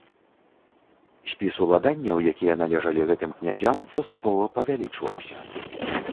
Спіс уладанняў, якія належалі гэтым князям, паступова павялічваўся.